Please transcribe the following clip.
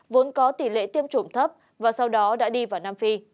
vốn có tỷ lệ tiêm chủng thấp và sau đó đã đi vào nam phi